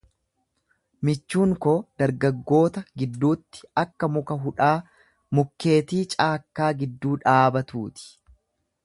Michuun koo dargaggoota gidduutti akka muka hudhaa mukkeetii caakkaa gidduu dhaabatuuti;